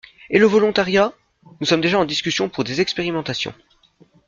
Et le volontariat ? Nous sommes déjà en discussion pour des expérimentations.